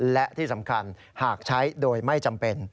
และที่สำคัญหากใช้โดยไม่จำเป็น